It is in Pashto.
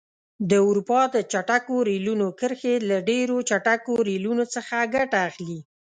د اروپا د چټکو ریلونو کرښې له ډېرو چټکو ریلونو څخه ګټه اخلي.